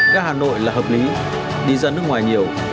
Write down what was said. ga hà nội là hợp lý đi ra nước ngoài nhiều